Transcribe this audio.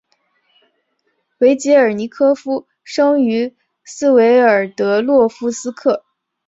维捷尔尼科夫生于斯维尔德洛夫斯克。